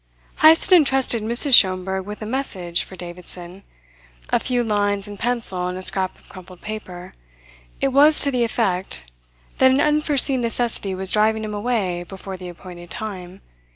Heyst had entrusted Mrs. Schomberg with a message for Davidson a few lines in pencil on a scrap of crumpled paper. It was to the effect: that an unforeseen necessity was driving him away before the appointed time.